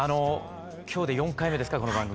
今日で４回目ですかこの番組。